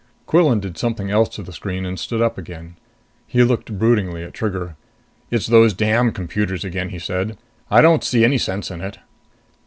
Quillan did something else to the screen and stood up again. He looked broodingly at Trigger. "It's those damn computers again!" he said. "I don't see any sense in it."